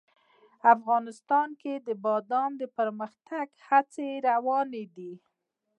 افغانستان کې د بادام د پرمختګ هڅې روانې دي.